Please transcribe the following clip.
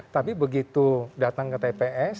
tapi begitu datang ke tps